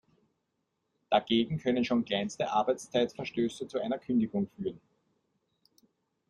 Dagegen können schon kleinste Arbeitszeitverstöße zu einer Kündigung führen.